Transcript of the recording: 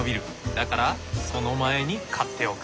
だからその前に刈っておく。